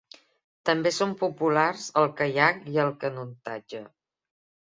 També són populars el caiac i el canotatge.